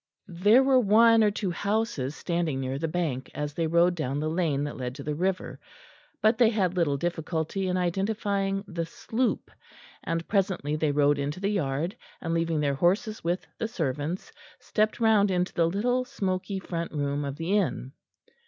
There were one or two houses standing near the bank, as they rode down the lane that led to the river, but they had little difficulty in identifying the "Sloop," and presently they rode into the yard, and, leaving their horses with the servants, stepped round into the little smoky front room of the inn.